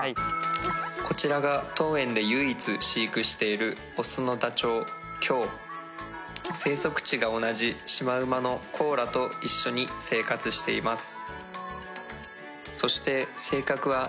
こちらが当園で唯一飼育しているオスのダチョウキョウ生息地が同じシマウマのコーラと一緒に生活しています